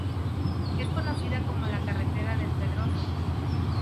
Es conocida como la ""Carretera del Pedroso"".